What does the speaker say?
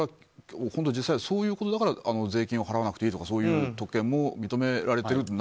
本当に実際そういうことだから税金を払わなくていいとかそういう特権も認められている。